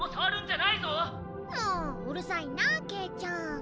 もううるさいなあケイちゃん。